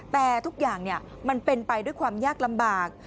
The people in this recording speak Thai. แต่ทุกอย่างมันเป็นไปด้วยความยากลำบาก